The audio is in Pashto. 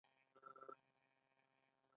ما خپل ادرس درکړ ممکن هلته سره پیدا کړو